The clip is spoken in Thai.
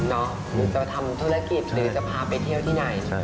หรือจะทำธุรกิจหรือจะพาไปเที่ยวที่ไหน